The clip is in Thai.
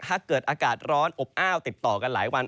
อากาศร้อนอบอ้าวติดต่อกันหลายวัน